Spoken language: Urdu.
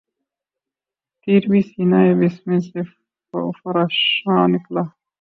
تیر بھی سینۂ بسمل سے پرافشاں نکلا